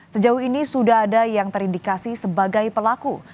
sejauh ini sudah ada yang terindikasi sebagai pelaku